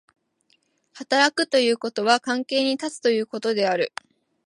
働くということは関係に立つということである。